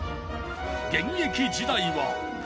現役時代は。